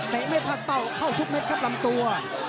ไม่พลาดเป้าเข้าทุกเม็ดครับลำตัว